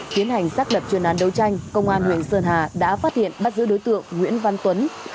kiến hành xác đập truyền án đấu tranh công an huyện sơn hà đã phát hiện bắt giữ đối tượng nguyễn văn tuấn